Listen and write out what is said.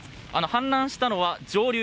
氾濫したのは上流。